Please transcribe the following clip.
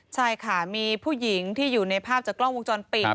ใช่ค่ะมีผู้หญิงที่อยู่ในภาพจากกล้องวงจรปิด